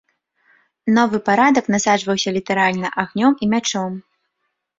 Новы парадак насаджваўся літаральна агнём і мячом.